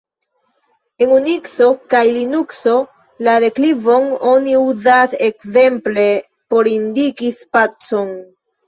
En Unikso kaj Linukso la deklivon oni uzas ekzemple por indiki spacon.